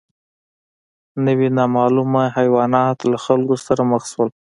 نوي نامعلومه حیوانات له خلکو سره مخ شول.